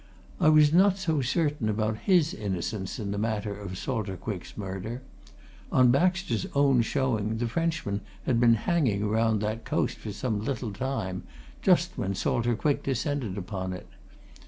I was not so certain about his innocence in the matter of Salter Quick's murder. On Baxter's own showing the Frenchman had been hanging about that coast for some little time, just when Salter Quick descended upon it.